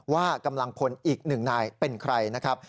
ว่ากำลังพลอีกหนึ่งนายเป็นใครนะครับ